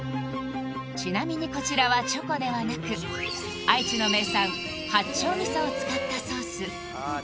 ちなみにこちらはチョコではなく愛知の名産八丁味噌を使ったソース